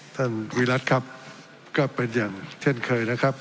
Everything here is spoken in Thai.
วิรัติครับก็เป็นอย่างเช่นเคยนะครับ